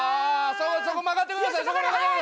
そこそこ曲がってください！